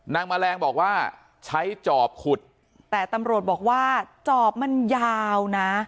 แมลงบอกว่าใช้จอบขุดแต่ตำรวจบอกว่าจอบมันยาวนะ